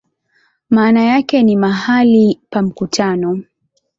Maana yake ni "mahali pa mkutano".